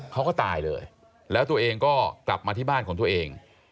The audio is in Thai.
เขาก็ตายเลยแล้วตัวเองก็กลับมาที่บ้านของตัวเอง